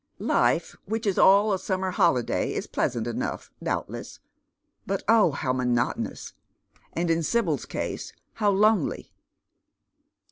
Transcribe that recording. Life wliich is aU a summer holi day is pleasant enough, doubtless ; but oh, how monotonous I and, in Sibyl's case, how lonely